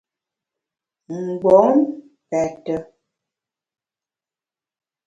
Mgbom pète.